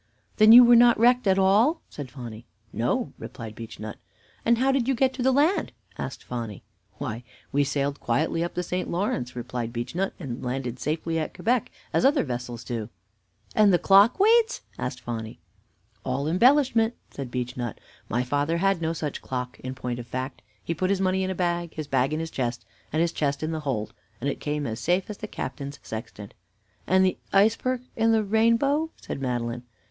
"Then you were not wrecked at all?" said Phonny. "No," replied Beechnut. "And how did you get to the land?" asked Phonny. "Why, we sailed quietly up the St. Lawrence," replied Beechnut, "and landed safely at Quebec, as other vessels do." "And the clock weights?" asked Phonny. "All embellishment," said Beechnut. "My father had no such clock, in point of fact. He put his money in a bag, his bag in his chest, and his chest in the hold, and it came as safe as the captain's sextant." "And the iceberg and the rainbow?" said Madeline.